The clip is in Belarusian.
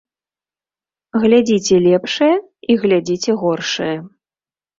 Глядзіце лепшае і глядзіце горшае.